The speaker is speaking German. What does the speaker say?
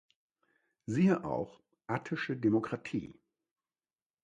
Siehe auch: Attische Demokratie